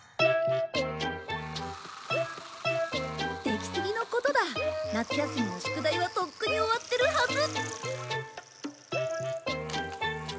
出木杉のことだ夏休みの宿題はとっくに終わってるはず！